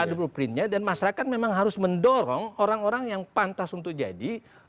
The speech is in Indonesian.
ada blueprintnya dan masyarakat memang harus mendorong orang orang yang pantas untuk jadi